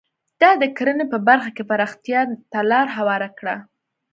دا د کرنې په برخه کې پراختیا ته لار هواره کړه.